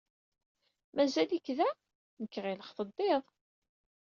Mazal-ik da? Nekk ɣileɣ teddiḍ.